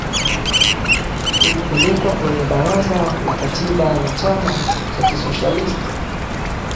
ulipelekwa kwenye baraza la katiba na chama cha kisociolist